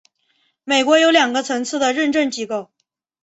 美国有两个层次的认证机构。